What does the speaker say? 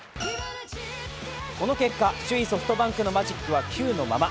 この結果、首位・ソフトバンクのマジックは９のまま。